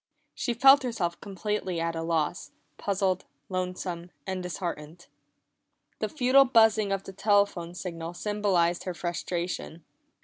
She felt herself completely at a loss, puzzled, lonesome, and disheartened. The futile buzzing of the telephone signal symbolized her frustration.